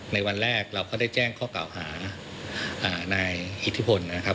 ในวันแรกเราก็ได้แจ้งข้อกล่าวหานายอิทธิพลนะครับ